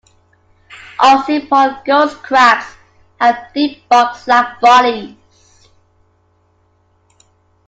"Ocypode" ghost crabs have deep box-like bodies.